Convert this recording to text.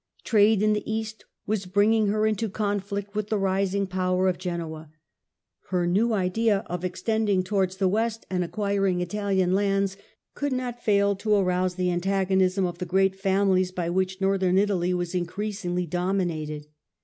Trade in the East was bring ing her into conflict with the rising power of Genoa. Her new idea, of extending towards the West, and ac Hostility of quiring Italian lands, could not fail to arouse the antago powers nism of the great families by which Northern Italy was increasingly dominated.